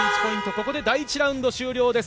ここで第１ラウンド終了です。